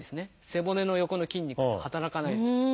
背骨の横の筋肉働かないです。